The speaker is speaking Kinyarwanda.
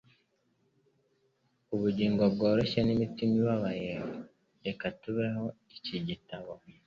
Ubugingo bworoshye n'imitima ibabaye reka tubeho iki gitabo